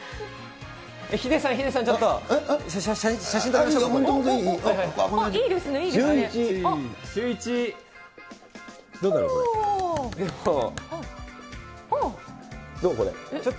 ヒデさん、ヒデさん、ちょっと。